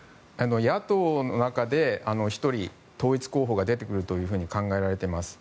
野党の中で１人、統一候補が出てくると考えられています。